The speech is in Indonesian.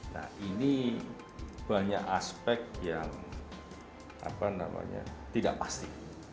nah ini banyak aspek yang tidak pasti